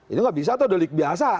ini gak bisa tuh delik biasa